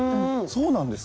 そうなんですか？